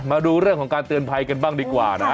มาดูเรื่องของการเตือนภัยกันบ้างดีกว่านะ